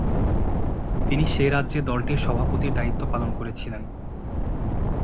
তিনি সেই রাজ্যে দলটির সভাপতির দায়িত্ব পালন করেছিলেন।